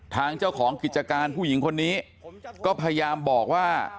ทางเจ้าของกิจการผู้หญิงคนนี้ก็พยายามบอกว่า